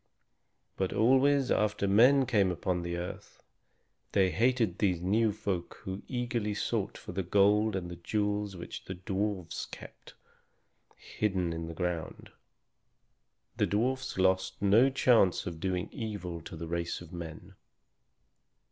But always after men came upon the earth they hated these new folk who eagerly sought for the gold and the jewels which the dwarfs kept hidden in the ground. The dwarfs lost no chance of doing evil to the race of men.